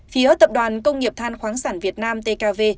phía tập đoàn công nghiệp than khoáng sản việt nam tkv